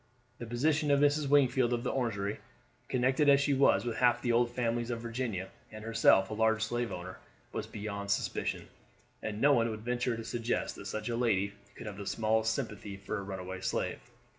The position of Mrs. Wingfield of the Orangery, connected as she was with half the old families of Virginia, and herself a large slave owner, was beyond suspicion, and no one would venture to suggest that such a lady could have the smallest sympathy for a runaway slave.